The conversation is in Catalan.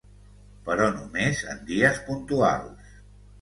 però només en dies puntuals